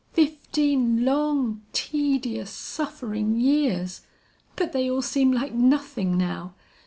fifteen long, tedious, suffering years! But they all seem like nothing now!